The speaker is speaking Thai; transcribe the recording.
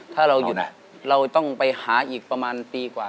ถ้าเราหยุดเราต้องไปหาอีกประมาณปีกว่า